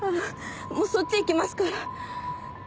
そっち行きますから。